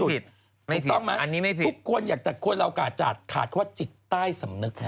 ไม่ผิดอันนี้ไม่ผิดถูกต้องไหมทุกคนอยากจะควรเรากะจาดขาดว่าจิตใต้สำนึก